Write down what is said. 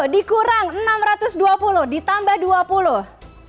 dikurang enam ratus dua puluh ditambah dua puluh